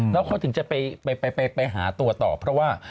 แล้วเขาถึงจะไปหาตัวต่อเพราะว่า